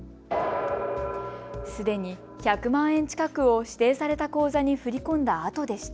すでに１００万円近くを指定された口座に振り込んだあとでした。